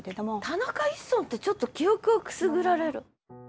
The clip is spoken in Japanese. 田中一村ってちょっと記憶をくすぐられる。